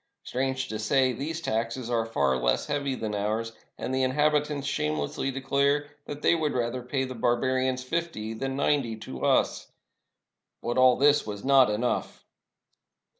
Strange to say, these taxes are far less heavy than ours, and the inhabitants shamelessly de clare that they would rather pay the barbarians fifty than ninety to us. But all this was not enough.